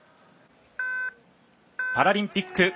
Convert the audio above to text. パラリンピック